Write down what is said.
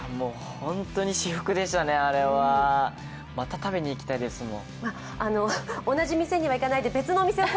本当に至福でしたね、あれはまた食べに行きたいですもん。